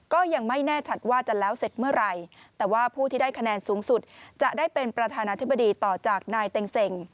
ก็ยังไม่แน่ชัดว่าจะแล้วเสร็จเมื่อไหร่แต่ว่าผู้ที่ได้คะแนนสูงสุดจะได้เป็นประธานาธิบดีต่อจากนายเต็งเซ็ง